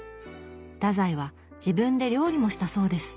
太宰は自分で料理もしたそうです。